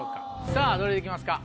さぁどれで行きますか？